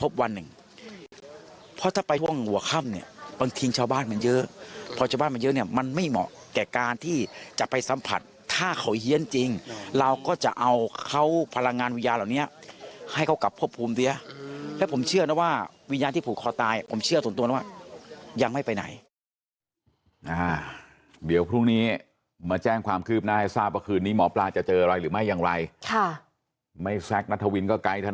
ส่วนตัวนะว่ายังไม่ไปไหน